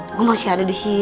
aku masih ada disini ya